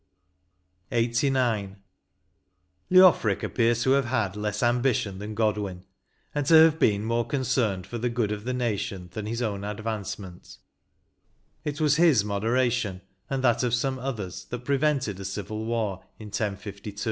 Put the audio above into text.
N 178 LXXXIX. Leofric appears to have had less ambition than Godwin, and to have been more concerned for the good of the nation than his own advancement: it was his moderation, and that of some others, that prevented a civil war in 1062. "..